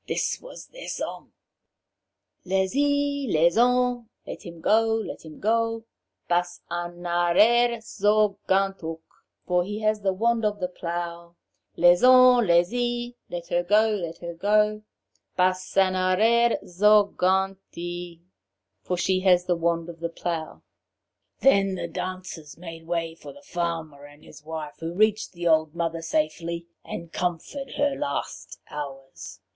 This was their song: 'Lez y, Lez hon, (Let him go, let him go,) Bas an arer zo gant hook; (For he has the wand of the plough;) Lez on, Lez y, (Let her go, let her go,) Bas an arer zo gant y!' (For she has the wand of the plough!) Then the dancers made way for the farmer and his wife, who reached the old mother safely, and comforted her last hours.